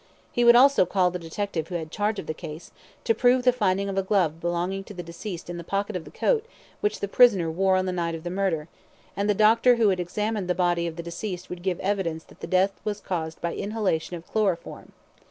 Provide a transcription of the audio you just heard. He would also call the detective who had charge of the case, to prove the finding of a glove belonging to the deceased in the pocket of the coat which the prisoner wore on the night of the murder; and the doctor who had examined the body of the deceased would give evidence that the death was caused by inhalation of chloroform.